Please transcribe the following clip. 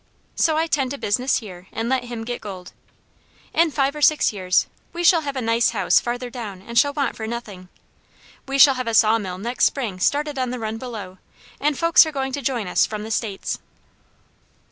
So I tend to business here and let him get gold. In five or six years we shall have a nice house farther down and shall want for nothing. We shall have a saw mill next spring started on the run below, and folks are going to join us from the States."